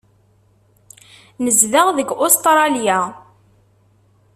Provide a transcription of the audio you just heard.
Nezdeɣ deg Ustṛalya.